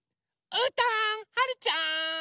うーたんはるちゃん！